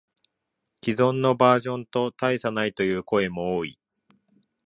既存のバージョンと大差ないという声も多い